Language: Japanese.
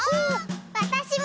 わたしも！